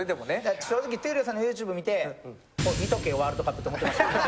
正直、闘莉王さんのＹｏｕＴｕｂｅ見て、見とけよワールドカップと思いました。